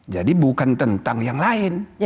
jadi bukan tentang yang lain